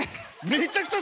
めっちゃくちゃ